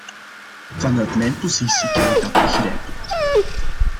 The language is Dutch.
Vanuit mijn positie kan ik dat begrijpen.